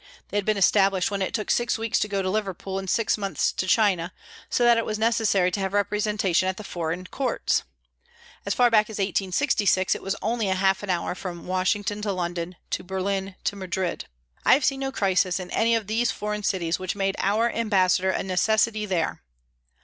They had been established when it took six weeks to go to Liverpool and six months to China, so that it was necessary to have representation at the foreign courts. As far back as 1866 it was only half an hour from Washington to London, to Berlin, to Madrid. I have seen no crisis in any of these foreign cities which made our ambassadors a necessity there.